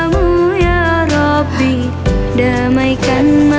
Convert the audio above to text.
berhenti sudah nafikan